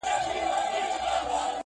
د ټولو ورور دی له بازاره سره لوبي کوي،